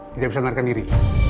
tidak bisa menerima diri